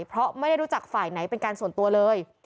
เพราะไม่ได้รู้จักฝ่ายไหนเป็นการส่วนตัวเลย